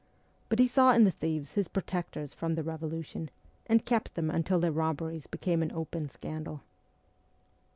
But he saw in the thieves his protectors from the revolution, and kept them until their robberies became an open scandal.